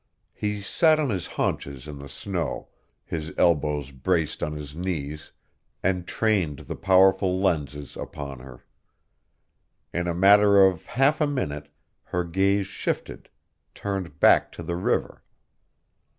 He sat on his haunches in the snow, his elbows braced on his knees, and trained the powerful lenses upon her. In a matter of half a minute her gaze shifted, turned back to the river.